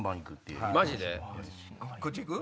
こっち行く？